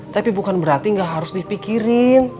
tapi bukan berarti gak harus dipikirkan